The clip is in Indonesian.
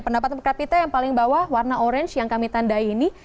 pendapatan per kapita yang paling bawah warna orange yang kami tandai ini